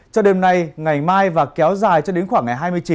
cho đêm nay ngày mai và kéo dài cho đến khoảng ngày hai mươi chín